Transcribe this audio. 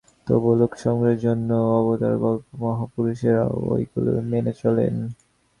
তবু লোকসংগ্রহের জন্য অবতারকল্প মহা- পুরুষেরাও ঐগুলি মেনে চলেন।